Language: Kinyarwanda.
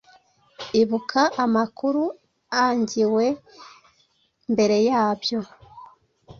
Ibuka amakuru aangiwe mbere yabyoe